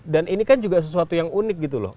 dan ini kan juga sesuatu yang unik gitu loh